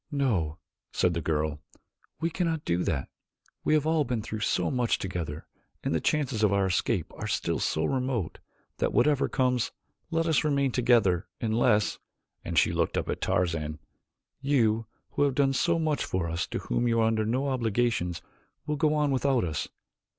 "No," said the girl, "we cannot do that. We have all been through so much together and the chances of our escape are still so remote that whatever comes, let us remain together, unless," and she looked up at Tarzan, "you, who have done so much for us to whom you are under no obligations, will go on without us.